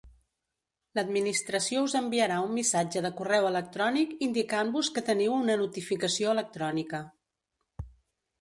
L'Administració us enviarà un missatge de correu electrònic indicant-vos que teniu una notificació electrònica.